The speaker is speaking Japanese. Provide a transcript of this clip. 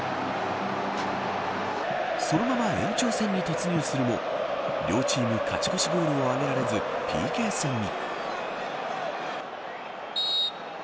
そのまま延長戦に突入するも両チーム勝ち越しゴールを挙げられず、ＰＫ戦に。